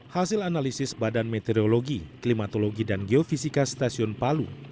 hasil analisis badan meteorologi klimatologi dan geofisika stasiun palu